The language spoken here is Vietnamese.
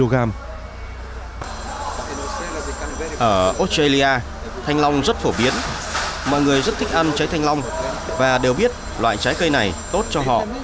ở australia thanh long rất phổ biến mọi người rất thích ăn trái thanh long và đều biết loại trái cây này tốt cho họ